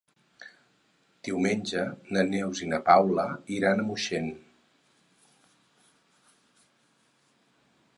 Diumenge na Neus i na Paula iran a Moixent.